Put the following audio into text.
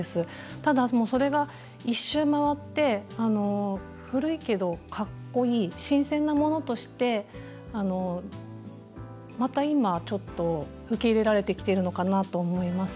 ただ、それが１周回って古いけど、かっこいい新鮮なものとしてまた今ちょっと受け入れられてきているのかなと思います。